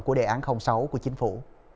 của đề án sáu của chính phủ